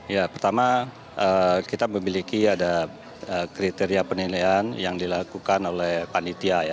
ya pertama kita memiliki ada kriteria penilaian yang dilakukan oleh panitia ya